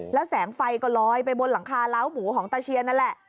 แล้วแสงไฟก็ลอยไปบนหลังคาเล้าหมูของตาเชียนนั่นแหละ